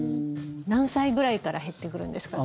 何歳くらいから減ってくるんですか？